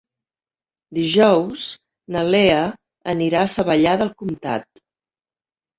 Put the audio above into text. Dijous na Lea anirà a Savallà del Comtat.